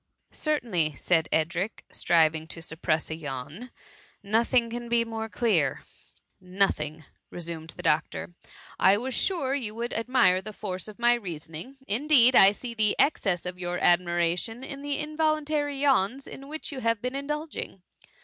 ^" Certainly,'' said Edric, striving to sup press a yawn ;^^ nothing can be more clear.'' *^ Nothing," resumed the doctor. " I was sure you would admire the force of my rea soning; indeed, I see the excess of your ^ miration in the involuntary yawns in which you have been indulging.